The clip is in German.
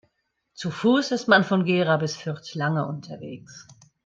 Zu Fuß ist man von Gera bis Fürth lange unterwegs